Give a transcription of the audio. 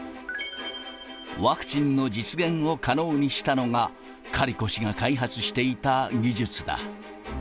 ワクチンの実現を可能にしたのが、カリコ氏が開発していた技術だ。